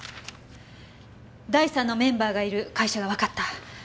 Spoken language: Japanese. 第三のメンバーがいる会社がわかった。